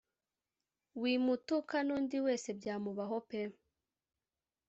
wimutuka nundi wese byamubaho pe!